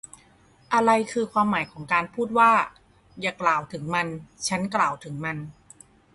อะไรคือความหมายของการพูดว่า อย่ากล่าวถึงมัน ฉันกล่าวถึงมัน